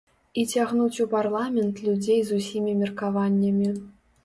І цягнуць у парламент людзей з усімі меркаваннямі.